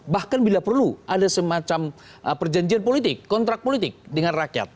bahkan bila perlu ada semacam perjanjian politik kontrak politik dengan rakyat